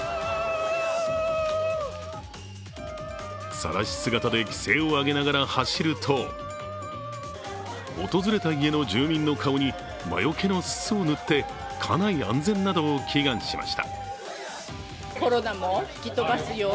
さらし姿で奇声を上げながら走ると訪れた家の住民の顔に魔よけのすすを塗って家内安全などを祈願しました。